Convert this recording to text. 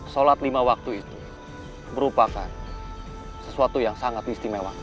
sholat lima waktu itu merupakan sesuatu yang sangat istimewa